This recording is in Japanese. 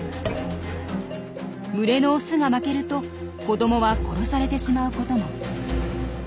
群れのオスが負けると子どもは殺されてしまうことも。